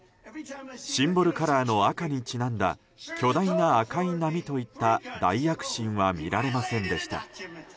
シンボルカラーの赤にちなんだ巨大な赤い波といった大躍進は見られませんでした。